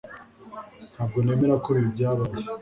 Ntabwo nemera ko ibi byabaye